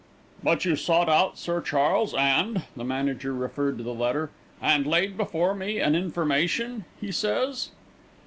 "But you sought out Sir Charles and" the manager referred to the letter "'and laid before me an information,' he says."